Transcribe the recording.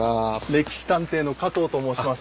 「歴史探偵」の加藤と申します。